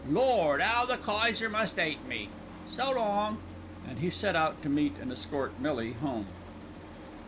Lord! 'ow the Kayser must 'ate me! So long." And he set out to meet and escort Millie home.